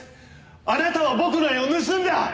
あなたは僕の絵を盗んだ！！